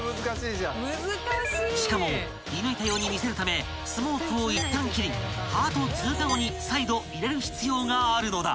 ［しかも射抜いたように見せるためスモークをいったん切りハートを通過後に再度入れる必要があるのだ］